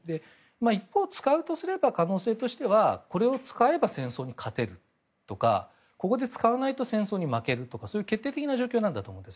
一方、使うとすれば可能性としてはこれを使えば戦争に勝てるとかここで使わないと戦争に負けるとかそういう決定的な状況なんだと思います。